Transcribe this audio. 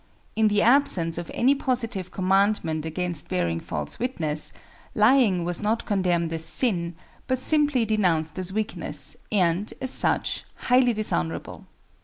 In the absence of any positive commandment against bearing false witness, lying was not condemned as sin, but simply denounced as weakness, and, as such, highly dishonorable.